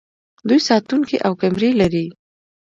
دوی ساتونکي او کمرې لري.